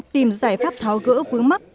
tìm giải pháp tháo gỡ vướng mắc